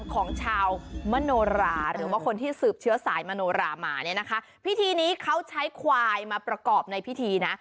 ของชาวมโนราหรือว่าคนที่สืบเชื้อสายมโนรามาเนี่ยนะคะพิธีนี้เขาใช้ควายมาประกอบในพิธีนะ